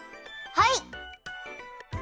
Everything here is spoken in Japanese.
はい！